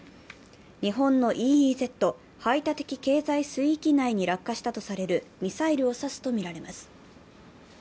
日本のＥＥＺ＝排他的経済水域に落下したとされるミサイルを指すと見られます。